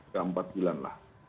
keempat bilan lah